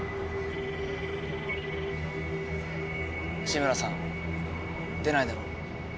志村さん出ないだろ？